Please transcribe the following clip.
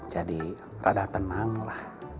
jadi agak tenanglah